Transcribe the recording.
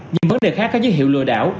những vấn đề khác có dứt hiệu lừa đảo